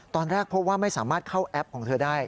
ตอนแรกพบว่าไม่สามารถเข้าแอปของเธอได้